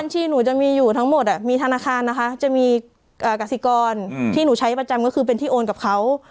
ที่หนูจะมีอยู่ทั้งหมดมีธนาคารนะคะจะมีกสิกรที่หนูใช้ประจำก็คือเป็นที่โอนกับเขา